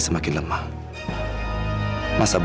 tidak perlu terima kasih ibu